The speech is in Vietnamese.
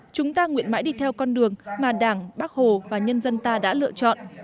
chúng ta nguyện mãi đi theo con đường mà đảng bác hồ và nhân dân ta đã lựa chọn